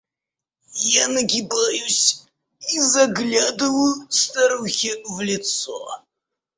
Я нагибаюсь и заглядываю старухе в лицо.